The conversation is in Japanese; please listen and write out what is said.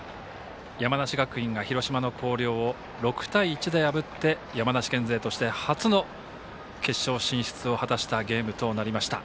山梨学院が広島の広陵を６対１で破って山梨県勢として初の決勝進出を果たしたゲームとなりました。